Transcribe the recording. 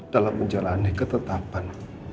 dalam menjalani ketetapan